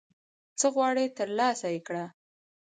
څه غواړي ترلاسه یې کړه